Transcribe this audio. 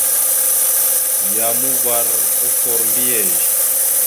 Yam uvar offor mbiyez.